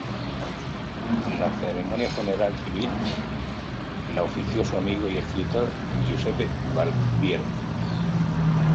La ceremonia funeral civil, la ofició su amigo y escritor Giuseppe Barbieri.